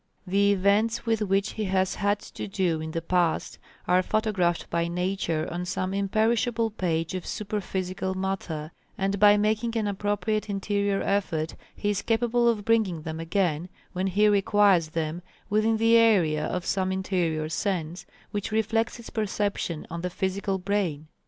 The events with which he has had to do in the past are photographed by Nature on some imperishable page of super physical matter, and by making an appropriate interior effort, he is capable of bringing them again, when he requires them, within the area of some interior sense which reflects its perception on the physical brain.